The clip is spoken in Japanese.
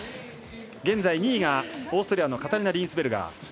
現在２位がオーストリアのカタリナ・リーンスベルガー。